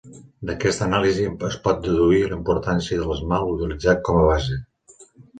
D'aquesta anàlisi es pot deduir la importància de l'esmalt utilitzat com a base.